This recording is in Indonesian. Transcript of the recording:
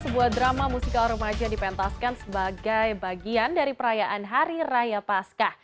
sebuah drama musikal remaja dipentaskan sebagai bagian dari perayaan hari raya pasca